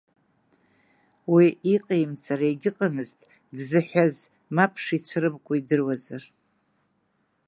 Уи иҟеимҵара егьыҟамызт, дзыҳәаз мап шицәырымкуа идыруазар.